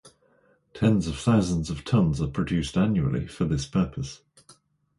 Tens of thousands of tons are produced annually for this purpose.